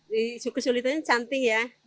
di suku sulitannya canting ya